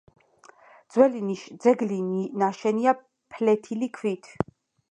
ძეგლი ნაშენია ფლეთილი ქვით.